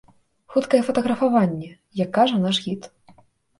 Хуткае фатаграфаванне, як кажа наш гід.